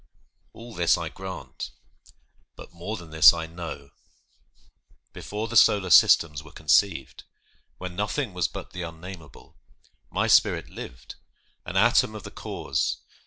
All this I grant, but more than this I know! Before the solar systems were conceived, When nothing was but the unnamable, My spirit lived, an atom of the Cause.